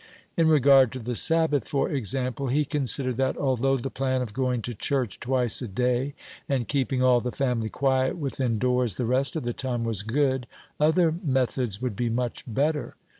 In regard to the Sabbath, for example, he considered that, although the plan of going to church twice a day, and keeping all the family quiet within doors the rest of the time, was good, other methods would be much better.